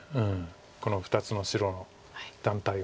この２つの白の団体を。